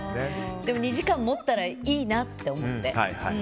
でも、２時間持ったらいいなと思って。